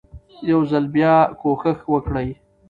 يو ځل بيا کوښښ وکړئ